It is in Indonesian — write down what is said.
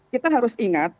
kita harus ingat